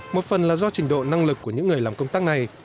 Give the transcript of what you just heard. một phần là do trình độ năng lực của những người làm công tác này